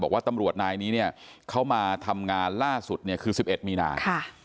บอกว่าตำรวจนายนี้เข้ามาทำงานล่าสุดคือ๑๑มีนาคม